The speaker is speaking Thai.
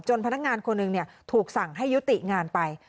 พนักงานคนหนึ่งถูกสั่งให้ยุติงานไป